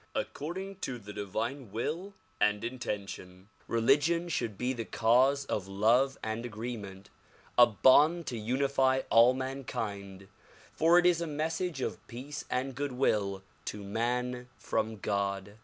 According to the divine will and intention religion should be the cause of love and agreement, a bond to unify all man kind for it is a message of peace and good will to man from God.